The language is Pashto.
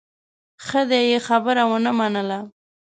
خو دې يې خبره ونه منله.